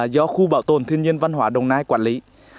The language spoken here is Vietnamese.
do khu bảo tồn thiên nhiên văn hóa đồng nai quản lý